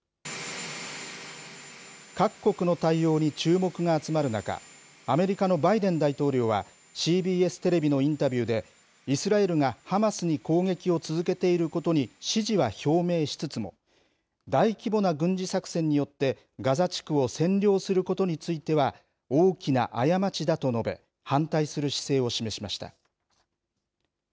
各国の対応に注目が集まる中、アメリカのバイデン大統領はＣＢＳテレビのインタビューで、イスラエルがハマスに攻撃を続けていることに支持は表明しつつも、大規模な軍事作戦によってガザ地区を占領することについては大きな過ちだと述べ、反対する姿勢を示しました。